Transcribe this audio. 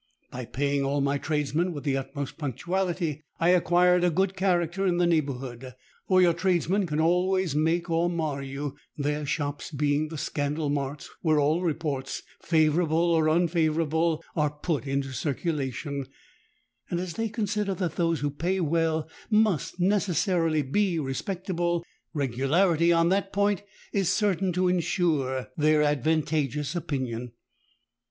By paying all my tradesmen with the utmost punctuality, I acquired a good character in the neighbourhood; for your tradesmen can always make or mar you, their shops being the scandal marts where all reports, favourable or unfavourable, are put into circulation; and as they consider that those who pay well must necessarily be respectable, regularity on that point is certain to ensure their advantageous opinion.